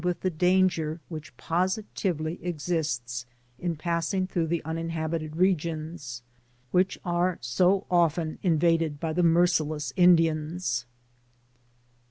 49 with the danger which positively exists in passing through uninhabited regions, which are so often invaded by the merciless Indians.